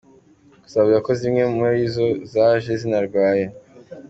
Gusa bavuga ko zimwe muri zo zaje zinarwaye.